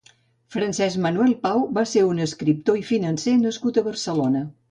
Francesc Manuel Pau va ser un escriptor i financer nascut a Barcelona.